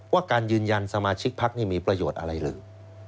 การยืนยันสมาชิกพักนี่มีประโยชน์อะไรหรือ